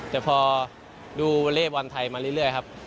แต่พอดูวอเล่บอลไทยมาเรื่อยครับ